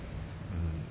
うん。